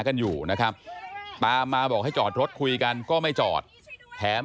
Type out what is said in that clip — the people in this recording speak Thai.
อย่าอย่าอย่าอย่าอย่าอย่าอย่าอย่าอย่าอย่าอย่า